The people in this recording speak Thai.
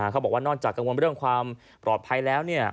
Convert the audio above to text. เขาบอกว่านอกจากกังวลเรื่องความปลอดภัยแล้ว